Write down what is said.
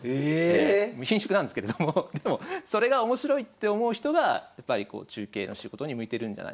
ええ⁉ひんしゅくなんですけれどもでもそれが面白いって思う人がやっぱりこう中継の仕事に向いてるんじゃないでしょうかね。